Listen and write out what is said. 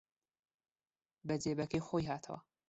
بە جێبەکەی خۆی هاتەوە